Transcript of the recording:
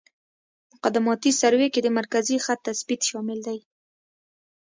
مقدماتي سروې کې د مرکزي خط تثبیت شامل دی